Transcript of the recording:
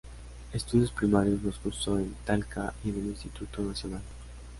Estudios primarios los curso en Talca y en el Instituto Nacional.